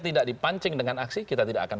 tidak dipancing dengan aksi kita tidak akan